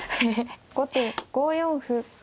後手５四歩。